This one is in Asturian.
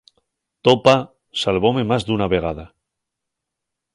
To pá salvóme más d'una vegada.